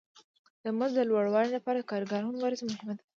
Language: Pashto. د مزد د لوړوالي لپاره د کارګرانو مبارزه مهمه ده